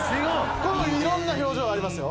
このいろんな表情ありますよ。